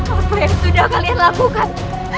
apa yang sudah kalian lakukan